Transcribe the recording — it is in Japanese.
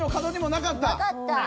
なかった。